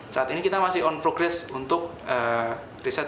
saat ini kita masih on progress untuk riset